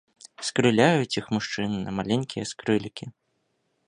Скрыляюць іх мужчыны на маленькія скрылікі.